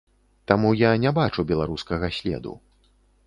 Таму я не бачу беларускага следу.